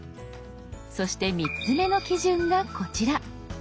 そして３つ目の基準がこちら。